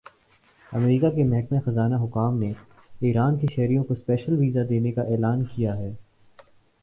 امریکا کے محکمہ خزانہ حکام نے ایران کے شہریوں کو سپیشل ویزا دینے کا اعلان کیا ہے